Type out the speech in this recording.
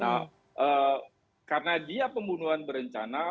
nah karena dia pembunuhan berencana